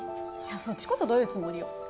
そっちこそどういうつもりよ。